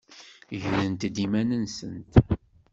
Grent-d iman-nsent.